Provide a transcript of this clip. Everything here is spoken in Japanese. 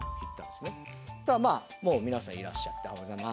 まあもう皆さんいらっしゃっておはようございますなんつって。